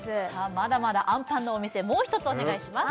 まだまだあんパンのお店もう一つお願いします